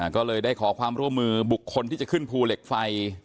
ก็เลยได้ขอความร่วมมือบุคคลที่จะขึ้นภูเหล็กไฟ